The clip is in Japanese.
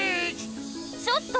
ちょっと！